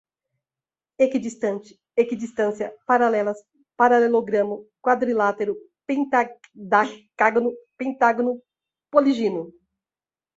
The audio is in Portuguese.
equidistantes, equidistância, paralelas, paralelogramo, quadrilátero, pentadacágono, pentágono, polígino